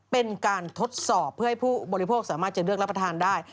เป็นการทดสอบเพื่อให้ผู้บริโภคสามารถจะเลือกรับประทานได้